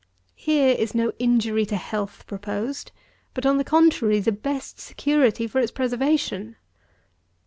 Here is no injury to health proposed; but, on the contrary, the best security for its preservation.